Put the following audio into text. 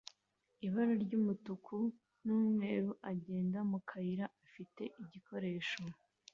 ibara ry'umutuku n'umweru agenda mu kayira afite igikoresho